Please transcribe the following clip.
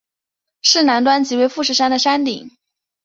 市南端即为富士山的山顶。